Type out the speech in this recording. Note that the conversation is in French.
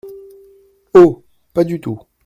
Oh ! pas du tout !